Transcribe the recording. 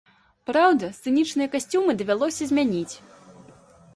Праўда, сцэнічныя касцюмы давялося змяніць.